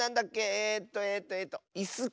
えっとえっとえっとイスキヨ。